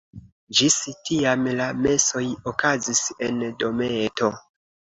Ĝis tiam la mesoj okazis en dometo.